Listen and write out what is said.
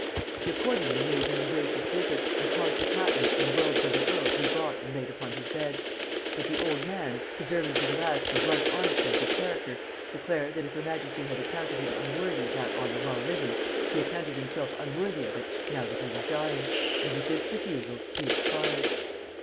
She accordingly made him a gracious visit, and caused the patent and the robes of an earl to be brought and laid upon his bed; but the old man, preserving to the last the blunt honesty of his character, declared, that if her majesty had accounted him unworthy of that honor while living, he accounted himself unworthy of it now that he was dying; and with this refusal be expired.